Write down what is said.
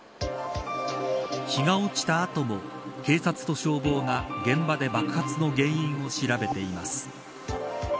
日が落ちたあとも警察と消防が現場で爆発の原因を調べています。